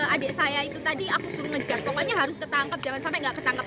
adik saya itu tadi aku suruh ngejar pokoknya harus ketangkep jangan sampai nggak ketangkap